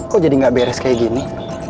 kok jadi gak beres kayak gini